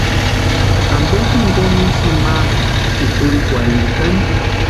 ¿Ampe jinkoni úsïni ma pʼikurhikwarhintani?